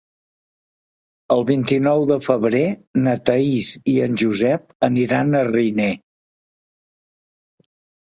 El vint-i-nou de febrer na Thaís i en Josep aniran a Riner.